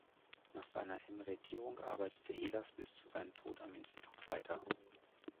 Nach seiner Emeritierung arbeitete Ehlers bis zu seinem Tod am Institut weiter.